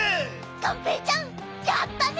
がんぺーちゃんやったね！